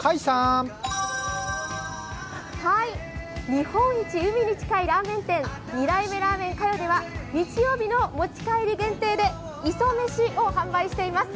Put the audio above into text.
日本一海に近いラーメン店二代目ラーメンカヨでは日曜日の持ち帰り限定で、磯飯を販売しています。